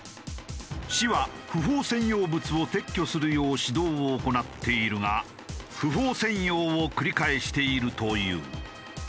市は不法占用物を撤去するよう指導を行っているが不法占用を繰り返しているという。